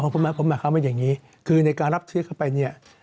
ผมมาคำว่าอย่างนี้คือในการรับเชื้อเข้าไป